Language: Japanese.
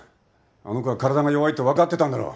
あの子は体が弱いって分かってたんだろう。